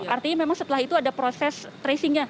artinya memang setelah itu ada proses tracing nya